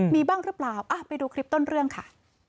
มีบ้างหรือเปล่าไปดูคลิปต้นเรื่องค่ะ